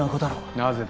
なぜだ